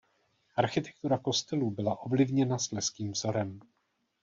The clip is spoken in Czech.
Architektura kostelů byla ovlivněna slezským vzorem.